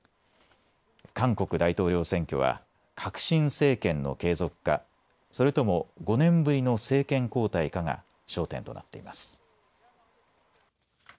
韓国大統領選挙は革新政権の継続かそれとも５年ぶりの政権交代かが焦点となっています。